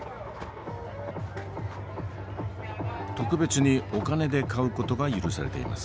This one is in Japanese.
特別にお金で買う事が許されています。